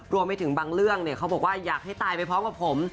รวมไปถึงบางเรื่องเขาบอกว่าอยากให้ตายไปพร้อมกับผม